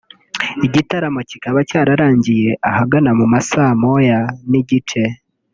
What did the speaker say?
Igitaramo kikaba cyararangiye ahagana mu ma saa moya n’igice